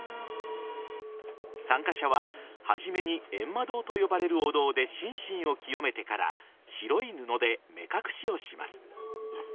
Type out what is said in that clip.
参加者は初めに閻魔堂と呼ばれるお堂で心身を清めてから白い布で目隠しをします。